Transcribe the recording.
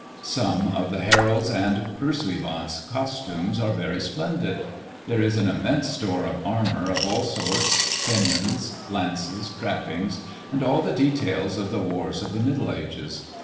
Some of the heralds' and pursuivants' costumes are very splendid. There is an immense store of armour of all sorts, pennons^ lances, trappings, and all the details of the wars of the middle ages.